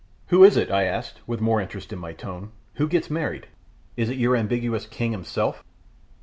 "Who is it," I asked, with more interest in my tone, "who gets married? is it your ambiguous king himself?"